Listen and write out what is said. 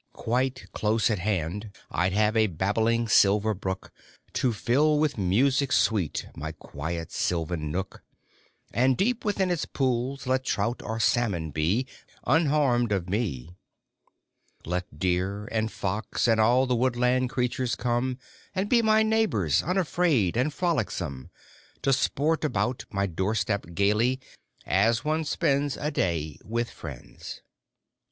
Quite close at hand I d have a babbling silver brook To fill with music sweet my quiet sylvan nook ; And deep within its pools let trout or salmon be, Unharmed of me ! Let deer and fox and all the woodland creatures come And be my neighbors, unafraid and frolicsome ; To sport about my door step gaily, as one spends A day with friends.